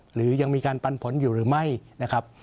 หรือยังมีการปันผลอยู่หรือไม่นะครับ